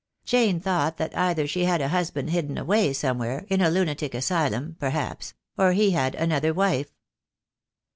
Jane thought that either she had a hus band hidden away somewhere — in a lunatic asylum, per haps— or he had another wife."